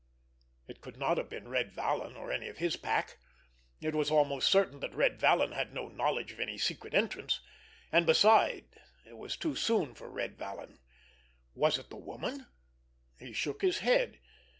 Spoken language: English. It could not have been Red Vallon, or any of his pack. It was almost certain that Red Vallon had no knowledge of any secret entrance, and besides it was too soon for Red Vallon. Was it the woman? He shook his head.